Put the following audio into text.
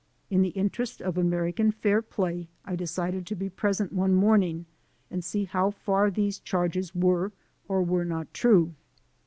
In the interest of American fair play I decided to be present one morning and see how far these charges were or were not true.